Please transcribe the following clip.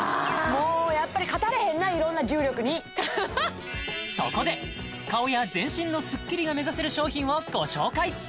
もうやっぱり勝たれへんな色んな重力にそこで顔や全身のスッキリが目指せる商品をご紹介